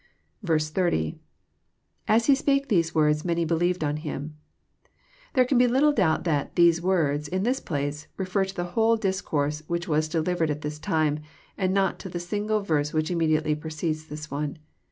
*' SO. —lAs he gpahe these loordsy many believed on himJ] There can be little doabt that *' these words " in this piaoe, refer to the whole iliscoorse which was delivered at this time, and cot to the sid gle verse which immediately precedes this one.